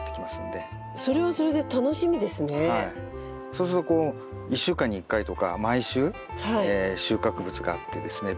そうするとこう１週間に１回とか毎週収穫物があってですね